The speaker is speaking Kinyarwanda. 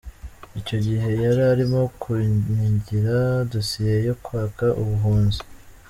Icyo gihe yari arimo kunyigira dossier yo kwaka ubuhunzi.